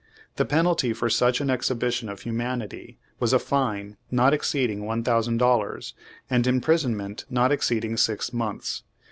The penalty for such an exhibition of humanity was a fine not exceeding one thousand dollars, and imprisonment not ex ceeding six months.